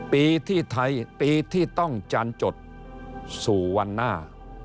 ปีที่ไทยปีที่ต้องจานจดสู่วันหน้า